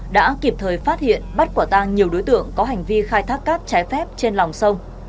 đã kịp thời phát hiện bắt quả tang nhiều đối tượng có hành vi khai thác cát trái phép trên lòng sông